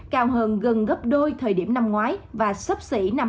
cao hơn gần gấp đôi thời điểm năm ngoái và sắp xỉ năm hai nghìn một mươi sáu